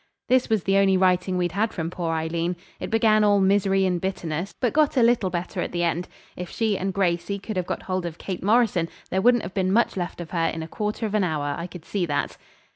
This was the only writing we'd had from poor Aileen. It began all misery and bitterness, but got a little better at the end. If she and Gracey could have got hold of Kate Morrison there wouldn't have been much left of her in a quarter of an hour, I could see that.